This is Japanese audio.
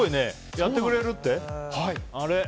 やってくれるって。